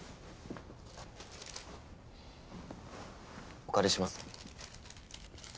お借りします。